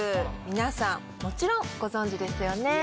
皆さんもちろんご存じですよね？